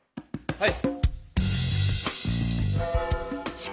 はい。